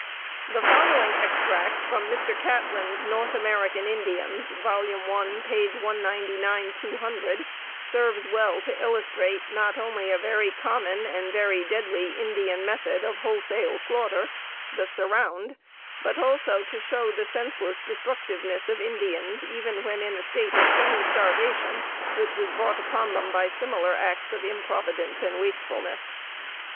The following extract from Mr. Catlin's "North American Indians," I, page 199 200, serves well to illustrate not only a very common and very deadly Indian method of wholesale slaughter the "surround" but also to show the senseless destructiveness of Indians even when in a state of semi starvation, which was brought upon them by similar acts of improvidence and wastefulness. [Note 60: H. Mis.